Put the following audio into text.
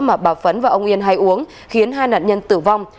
mà bà phấn và ông yên hay uống khiến hai nạn nhân tử vong